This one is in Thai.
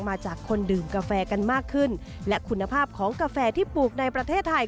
มาจากคนดื่มกาแฟกันมากขึ้นและคุณภาพของกาแฟที่ปลูกในประเทศไทย